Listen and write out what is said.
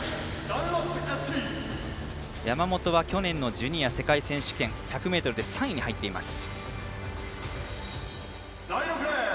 山本は、去年のジュニア世界選手権１００ｍで３位に入っています。